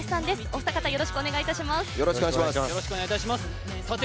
お二方、よろしくお願いします。